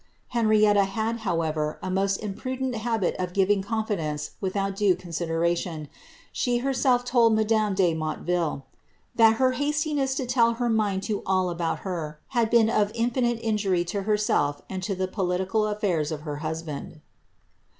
Henrietta had, however, a most imprudent habit of giving confidence without due consideration ; she herself told madame de Motteville, ^ that her hastiness in telling her mind to all about her, had been of infinite injury to herself and to the political a&irs of her husband.